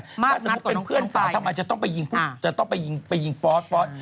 หากจะต้องเป็นเพื่อนสาวทำไมจะต้องไปยิงฟอสตร์